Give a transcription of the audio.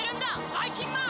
ばいきんまん！